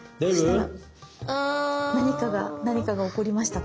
何かが何かが起こりましたか？